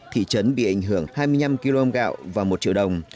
thị trấn bị ảnh hưởng hai mươi năm kg gạo và một triệu đồng